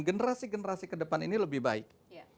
generasi generasi kedepan ini lebih baik